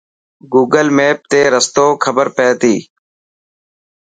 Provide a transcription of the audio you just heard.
گوگل ميپ تي رستو خبر پئي تي.